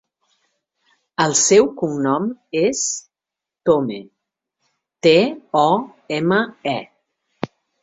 El seu cognom és Tome: te, o, ema, e.